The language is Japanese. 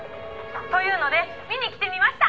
「というので見に来てみました」